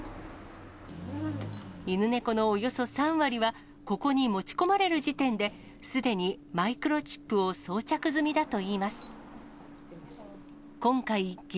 犬、猫のおよそ３割は、ここに持ち込まれる時点で、すでにマイクロチップを装着済みだといいます。